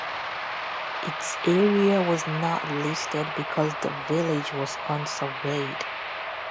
Its area was not listed because the village was unsurveyed.